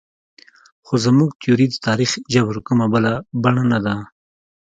خو زموږ تیوري د تاریخ جبر کومه بله بڼه نه ده.